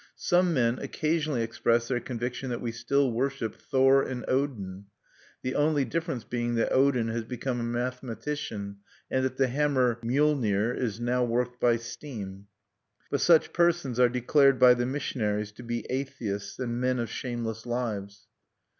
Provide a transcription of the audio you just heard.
Some men occasionally express their conviction that we still worship Thor and Odin, the only difference being that Odin has become a mathematician, and that the Hammer Mjolnir is now worked by steam. But such persons are declared by the missionaries to be atheists and men of shameless lives.